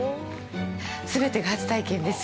全てが初体験です。